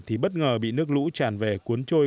thì bất ngờ bị nước lũ tràn về cuốn trôi